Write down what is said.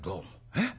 えっ？